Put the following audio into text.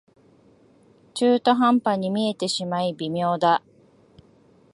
中途半端に見えてしまい微妙だ